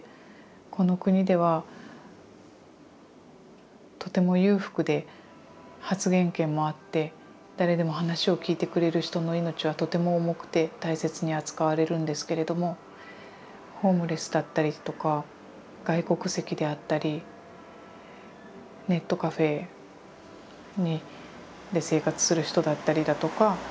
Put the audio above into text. この国ではとても裕福で発言権もあって誰でも話を聞いてくれる人の命はとても重くて大切に扱われるんですけれどもホームレスだったりとか外国籍であったりネットカフェで生活する人だったりだとか。